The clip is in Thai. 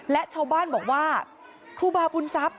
และชาวบ้านบอกว่าครูบาบุญทรัพย